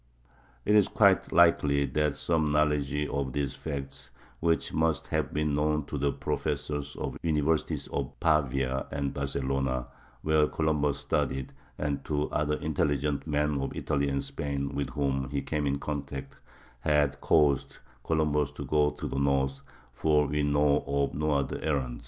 It is quite likely that some knowledge of these facts, which must have been known to the professors of the universities of Pavia and Barcelona, where Columbus studied, and to other intelligent men of Italy and Spain with whom he came in contact, had caused Columbus to go to the north, for we know of no other errand.